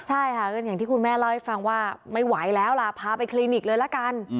ใช่ค่ะก็อย่างที่คุณแม่เล่าให้ฟังว่าไม่ไหวแล้วล่ะพาไปคลินิกเลยละกัน